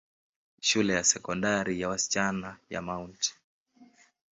Shule ya Sekondari ya wasichana ya Mt.